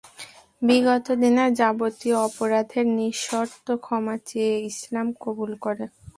বিগত দিনের যাবতীয় অপরাধের নিঃশর্ত ক্ষমা চেয়ে ইসলাম কবুল করে।